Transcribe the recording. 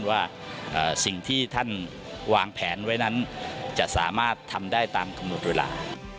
ว่าสิ่งที่ท่านวางแผนไว้นั้นจะสามารถทำได้ตามกำหนดเวลา